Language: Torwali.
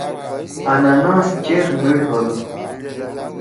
آنناس چیر میٹ ہودُو۔